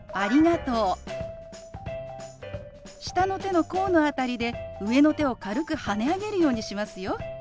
下の手の甲の辺りで上の手を軽くはね上げるようにしますよ。